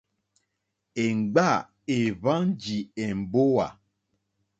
Èmgbâ èhwánjì èmbówà.